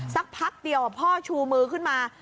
สักพักเดียวพ่อชูมือขึ้นมา